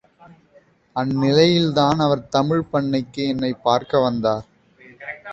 அந்நிலையில்தான் அவர் தமிழ்ப்பண்ணைக்கு என்னைப் பார்க்க வந்தார்.